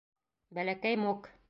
Бәләкәй Мук